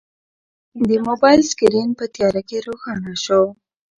د موبایل سکرین په تیاره کې روښانه شو.